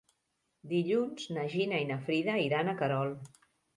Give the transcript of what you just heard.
Dilluns na Gina i na Frida iran a Querol.